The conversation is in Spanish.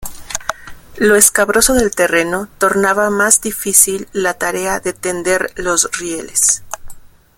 Lo escabroso del terreno tornaba más difícil la tarea de tender los rieles.